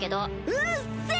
うっせぇ！